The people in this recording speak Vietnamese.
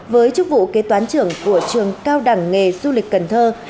với chức vụ kế toán trưởng của trường cao đẳng nghề du lịch cần thơ